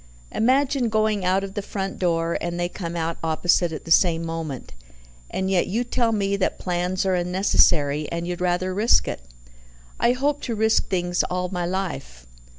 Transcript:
Imagine going out of the front door, and they come out opposite at the same moment. And yet you tell me that plans are unnecessary, and you'd rather risk it." "I hope to risk things all my life."